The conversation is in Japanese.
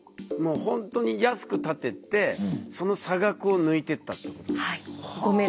もうほんとに安く建ててその差額を抜いてったってことだ。